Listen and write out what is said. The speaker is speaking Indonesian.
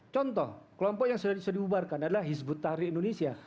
contoh kelompok yang sudah diubahkan adalah hizbut tahrir indonesia